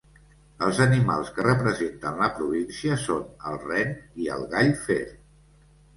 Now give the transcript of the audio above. Els animals que representen la província són el ren i el gall fer.